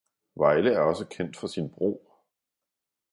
Vejle er også kendt for sin bro